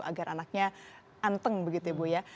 agar anaknya anteng begitu ibu ya